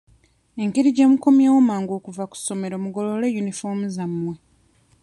Engeri gye mukomyewo amangu okuva ku ssomero mugolole yunifoomu zammwe.